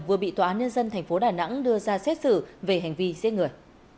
vừa bị tòa án nhân dân tp đà nẵng đưa ra xét xử về hành vi giết người